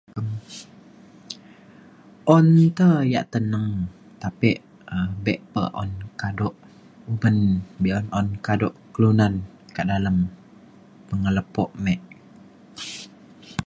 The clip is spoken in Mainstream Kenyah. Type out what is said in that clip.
un te ya' teneng tapi um be' pe un kaduk pen be'un kaduk kelunan ke dalem pengelepuk mik.